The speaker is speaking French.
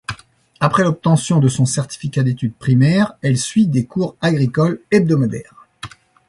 Après l’obtention de son certificat d’études primaires, elle suit des cours agricoles hebdomadaires.